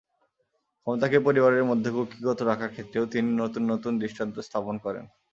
ক্ষমতাকে পরিবারের মধ্যে কুক্ষিগত রাখার ক্ষেত্রেও তিনি নতুন নতুন দৃষ্টান্ত স্থাপন করেন।